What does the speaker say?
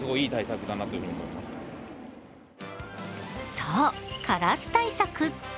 そう、カラス対策。